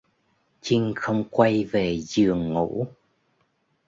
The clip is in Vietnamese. Chinh không quay về giường ngủ